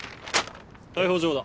逮捕状だ。